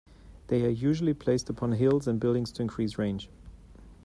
They are usually placed upon hills and buildings to increase range.